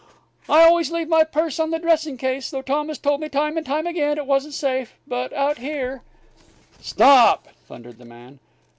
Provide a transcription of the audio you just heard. "I always leave my purse on the dressing case, though Tom has told me, time and again, it wasn't safe. But out here " "Stop!" thundered the man.